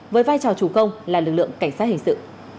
với vai trò chủ công là lực lượng cảnh sát hình sự